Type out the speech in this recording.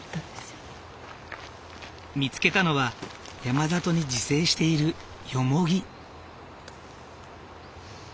見つけたのは山里に自生しているヨモギ。